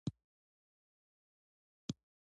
د سترګو د توروالي لپاره د څه شي ټوټې وکاروم؟